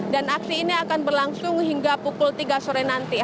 dan aksi ini akan berlangsung hingga pukul tiga sore nanti